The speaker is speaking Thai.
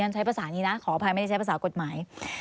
ใช้ภาษานี้นะขออภัยไม่ได้ใช้ภาษากฎหมาย